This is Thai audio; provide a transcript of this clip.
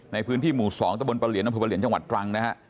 ในพื้นที่หมู่๒ตะบนประเหลียนอำเภอประเหลียนจังหวัดตรังนะฮะ